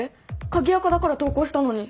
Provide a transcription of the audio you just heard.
鍵アカだから投稿したのに！